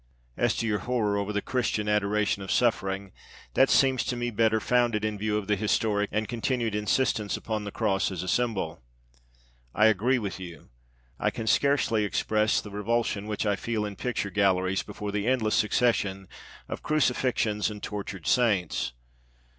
As to your horror over the Christian 'adoration of suffering,' that seems to me better founded in view of the historic and continued insistence upon the cross as a symbol. I agree with you. I can scarcely express the revulsion which I feel in picture galleries before the endless succession of crucifixions and tortured saints.